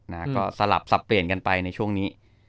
นะฮะก็สลับสับเปลี่ยนกันไปในช่วงนี้